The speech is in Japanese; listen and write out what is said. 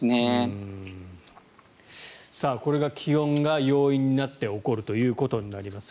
これが気温が要因になって起こるということになります。